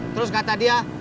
terus kata dia